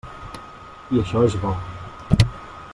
I això és bo.